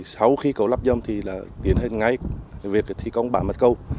sau khi cầu lắp dâm thì là tiến hành ngay việc thi công bản mặt cầu